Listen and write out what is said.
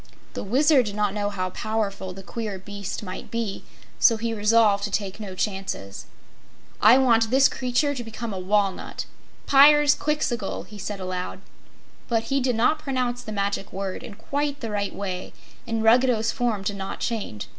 The Wizard did not know how powerful the queer beast might be, so he resolved to take no chances. "I want this creature to become a walnut Pyrzqxgl!" he said aloud. But he did not pronounce the Magic Word in quite the right way, and Ruggedo's form did not change.